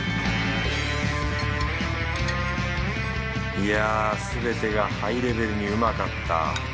いやぁすべてがハイレベルにうまかった。